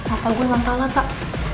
atta gue gak salah tak